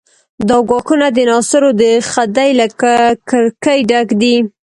دا ګواښونه د ناصرو د خدۍ له کرکې ډک دي.